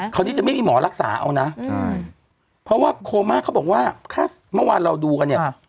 คราวนี้จะไม่มีหมอรักษาเอานะเพราะว่าโคม่าเขาบอกว่าถ้าเมื่อวานเราดูกันเนี่ย